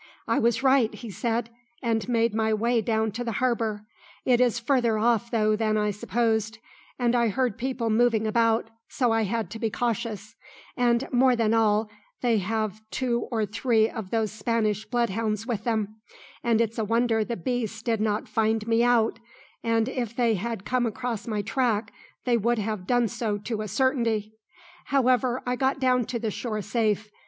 "I was right," he said, "and made my way down to the harbour. It is farther off though than I supposed; and I heard people moving about, so I had to be cautious; and more than all, they have two or three of those Spanish bloodhounds with them, and it's a wonder the beasts did not find me out, and if they had come across my track they would have done so to a certainty. However I got down to the shore safe.